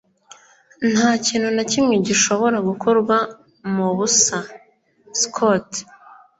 Nta kintu na kimwe gishobora gukorwa mubusa (Scott)